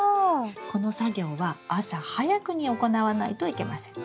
この作業は朝早くに行わないといけません。